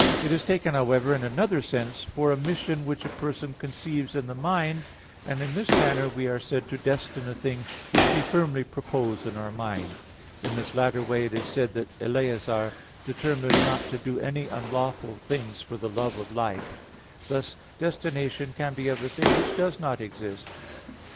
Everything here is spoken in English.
It is taken, however, in another sense for a mission which a person conceives in the mind; and in this manner we are said to destine a thing which we firmly propose in our mind. In this latter way it is said that Eleazar "determined not to do any unlawful things for the love of life" (2 Macc. 6:20). Thus destination can be of a thing which does not exist.